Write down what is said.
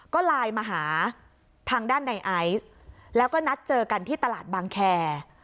ก็ไลน์มาหาทางด้านในไอซ์แล้วก็นัดเจอกันที่ตลาดบางแคร์